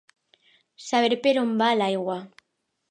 Saber per on va l'aigua.